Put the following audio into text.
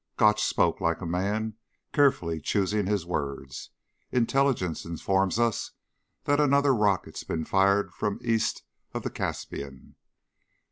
Gotch spoke like a man carefully choosing his words. "Intelligence informs us that another rocket's been fired from east of the Caspian.